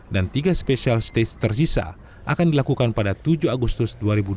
dan tiga special stage tersisa akan dilakukan pada tujuh agustus dua ribu dua puluh dua